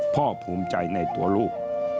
ภูมิใจในตัวลูก